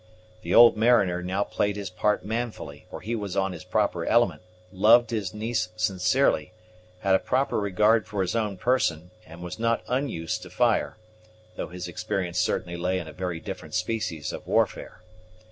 The old mariner now played his part manfully; for he was on his proper element, loved his niece sincerely, had a proper regard for his own person, and was not unused to fire, though his experience certainly lay in a very different species of warfare.